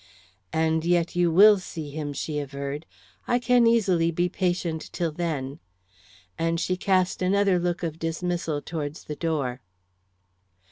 "And yet you will see him," she averred. "I can easily be patient till then." And she cast another look of dismissal towards the door.